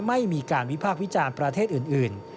ไม่มีการวิพากษ์วิจารณ์ประเทศอื่น